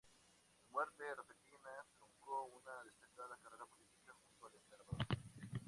Su muerte repentina truncó una destacada carrera política junto al emperador.